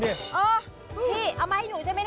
เออพี่เอามาให้หนูใช่ไหมเนี่ย